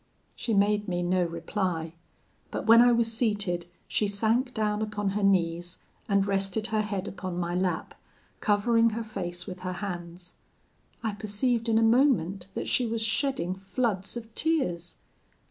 "She made me no reply; but when I was seated, she sank down upon her knees, and rested her head upon my lap, covering her face with her hands. I perceived in a moment that she was shedding floods of tears.